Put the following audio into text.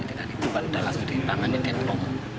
tiba tiba langsung ditangani tentu